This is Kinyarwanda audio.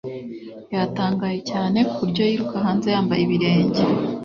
Yatangaye cyane ku buryo yiruka hanze yambaye ibirenge.